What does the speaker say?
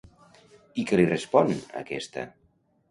I què li respon, aquesta?